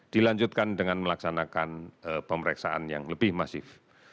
dilanjutkan dengan melaksanakan pemeriksaan yang lebih masif